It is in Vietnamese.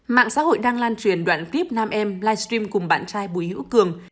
mạng xã hội đang lan truyền đoạn clip nam em livestream cùng bạn trai bùi hữu cường